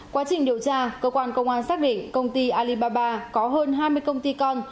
quá trình điều tra cơ quan công an xác định công ty alibaba có hơn hai mươi công ty con